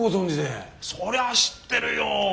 そりゃ知ってるよ！